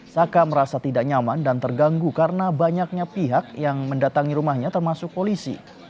saka merasa tidak nyaman dan terganggu karena banyaknya pihak yang mendatangi rumahnya termasuk polisi